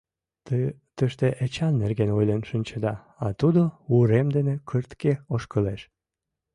— Те тыште Эчан нерген ойлен шинчеда, а тудо урем дене кыртке ошкылеш.